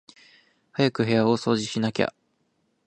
早く部屋を掃除しなきゃ